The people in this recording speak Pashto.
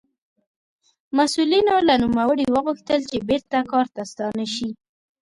مسوولینو له نوموړي وغوښتل چې بېرته کار ته ستانه شي.